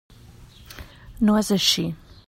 No és així.